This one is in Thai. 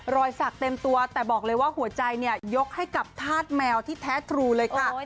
รอยสักเต็มตัวแต่บอกเลยว่าหัวใจเนี่ยยกให้กับธาตุแมวที่แท้ทรูเลยค่ะ